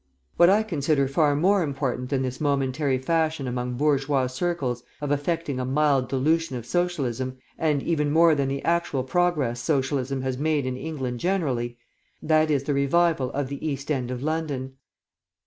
What I consider far more important than this momentary fashion among bourgeois circles of affecting a mild dilution of Socialism, and even more than the actual progress Socialism has made in England generally, that is the revival of the East End of London.